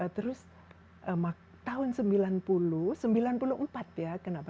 terus tahun sembilan puluh sembilan puluh empat ya kenapa sembilan puluh empat